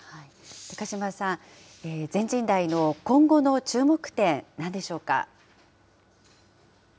高島さん、全人代の今後の注目点、なんでしょうか。